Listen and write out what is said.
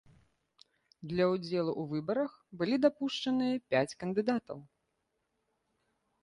Для ўдзелу ў выбарах былі дапушчаныя пяць кандыдатаў.